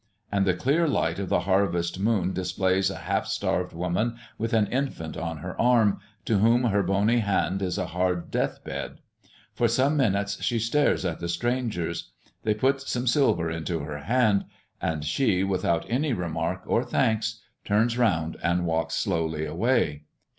And the clear light of the harvest moon displays a half starved woman with an infant on her arm, to whom her bony hand is a hard death bed. For some minutes she stares at the strangers. They put some silver into her hand, and she, without any remark or thanks, turns round and walks slowly away.